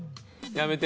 やめて。